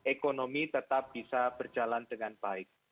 ekonomi tetap bisa berjalan dengan baik